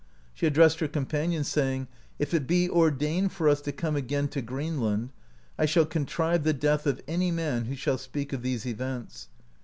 She addressed her compan ions, saying: '*If it be ordained for us to come again to Greenland, I shall contrive the death of any man who shall speak of these events.